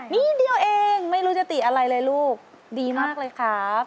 นิดเดียวเองไม่รู้จะติอะไรเลยลูกดีมากเลยครับ